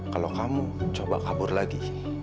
kalau kamu coba kabur lagi